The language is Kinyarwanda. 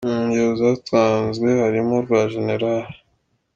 Mu ngero zatanzwe harimo urwa Gen.